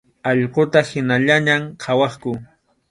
Allquta hinallaña qhawaqku.